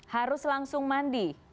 harus langsung mandi